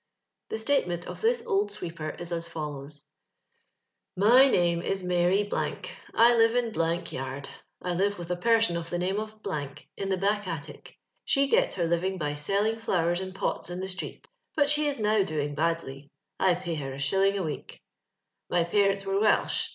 The statement of this old sweeper is as follows :—*' My name is Mary ——.. I live in ' yard. I live with a person of the name of , in the back attic ; she gets her living by selling flowers in pots in the street, but she is now doing badly. I pay her a shilling a week. <( My parents were Welsh.